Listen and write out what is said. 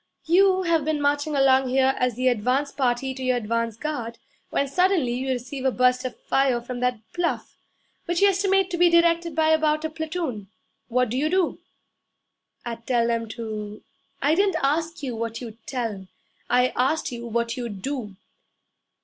'You have been marching along here as the advance party to your advance guard, when suddenly you receive a burst of fire from that bluff, which you estimate to be directed by about a platoon. What do you do?' 'I'd tell them to ' 'I didn't ask you what you'd tell. I asked you what you'd do.'